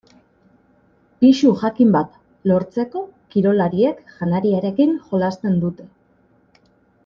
Pisu jakin bat lortzeko kirolariek janariarekin jolasten dute.